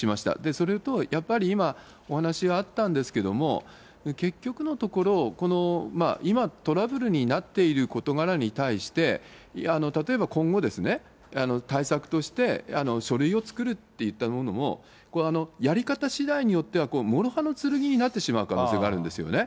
それと、やっぱり今、お話があったんですけれども、結局のところ、この、今、トラブルになっている事柄に対して、例えば、今後、対策として書類を作るっていったものも、やり方しだいによっては、もろ刃の剣になってしまう可能性があるんですよね。